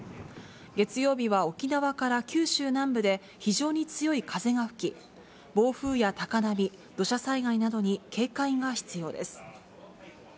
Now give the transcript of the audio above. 月曜日は沖縄から九州南部で非常に強い風が吹き、暴風や高波、土砂災害などに警戒が必要です。